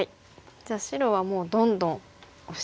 じゃあ白はもうどんどんオシていきますか。